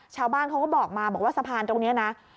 ชาวบ้านเขาก็บอกมาบอกว่าสะพานตรงนี้นะ